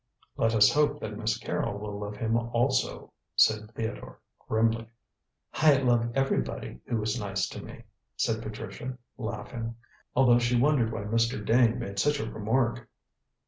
"Let us hope that Miss Carrol will love him also," said Theodore grimly. "I love everybody who is nice to me," said Patricia, laughing, although she wondered why Mr. Dane made such a remark.